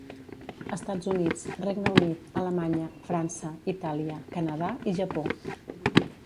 Estats Units, Regne Unit, Alemanya, França, Itàlia, Canadà i Japó.